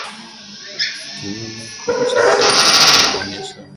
Kinyume chake kwa kuonyesha ujasiri kwa mwingiliano wako